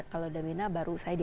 kalau ada myrna baru saya diajak